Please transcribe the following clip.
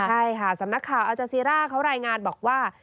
ใช่ค่ะสำนักข่าวอาจาซีร่าเขารายงานบอกว่า